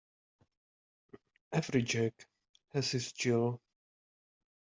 Every Jack has his Jill.